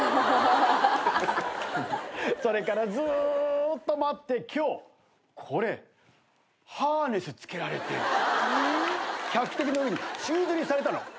それからずーっと待って今日これハーネス着けられて客席の上に宙づりにされたの。